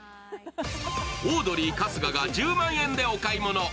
オードリー・春日が１０万円でお買い物。